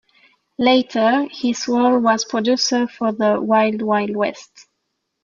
Later his role was producer for "The Wild Wild West".